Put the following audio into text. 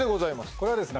これはですね